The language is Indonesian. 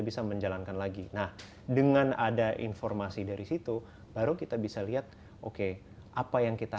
bisa menjalankan lagi nah dengan ada informasi dari situ baru kita bisa lihat oke apa yang kita